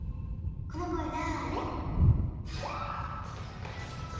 この声だーれ？